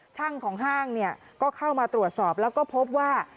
ช่างของห้างเนี่ยก็เข้ามาตรวจสอบแล้วก็พบว่า